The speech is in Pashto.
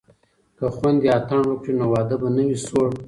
که خویندې اتڼ وکړي نو واده به نه وي سوړ.